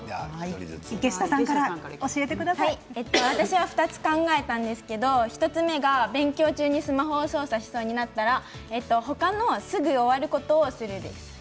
私は２つ考えたんですけど１つ目が、勉強中にスマホを操作しそうになったら他のすぐ終わることをするです。